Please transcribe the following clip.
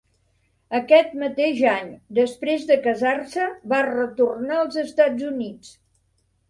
Aquest mateix any, després de casar-se, va retornar als Estats Units.